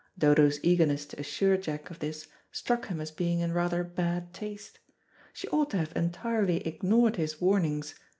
Dodo's eagerness to assure Jack of this struck him as being in rather bad taste. She ought to have entirely ignored his warnings.